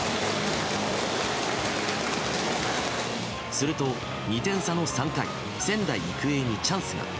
すると、２点差の３回仙台育英にチャンスが。